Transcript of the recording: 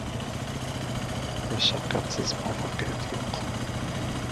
• Mashaqqatsiz muvaffaqiyat yo‘q.